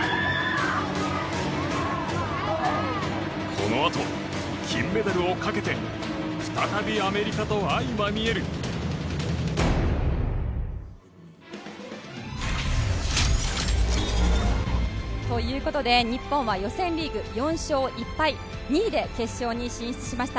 このあと、金メダルをかけて再びアメリカと相まみえる。ということで日本は予選リーグ４勝１敗２位で決勝に進出しました。